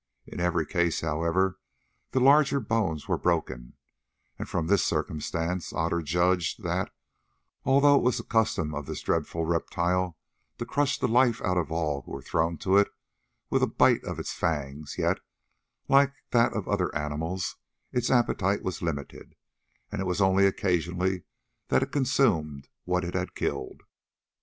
In every case, however, the larger bones were broken, and from this circumstance Otter judged that, although it was the custom of this dreadful reptile to crush the life out of all who were thrown to it with a bite of its fangs, yet, like that of other animals, its appetite was limited, and it was only occasionally that it consumed what it had killed.